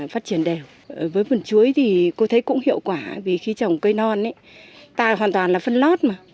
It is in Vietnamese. phát triển đều với vườn chuối thì cô thấy cũng hiệu quả vì khi trồng cây non ấy ta hoàn toàn là phân lót mà